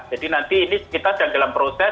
nanti ini kita sedang dalam proses